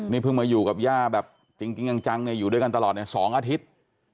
นี่เพิ่งมาอยู่กับย่าแบบจริงจังเนี่ยอยู่ด้วยกันตลอดเนี่ย๒อาทิตย์